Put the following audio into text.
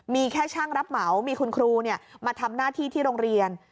มีแค่ช่างรับเหมามีคุณครูมาทำหน้าที่ที่โรงเรียน